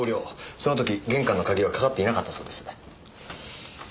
その時玄関の鍵はかかっていなかったそうです。